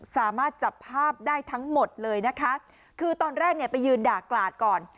สามารถจับภาพได้ทั้งหมดเลยนะคะคือตอนแรกเนี่ยไปยืนด่ากลาดก่อน